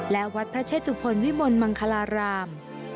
และวัดพระเชตุพลวิมลมังคลาราม